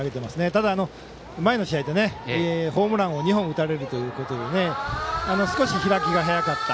ただ、前の試合でホームランを２本打たれるということで少し開きが早かった。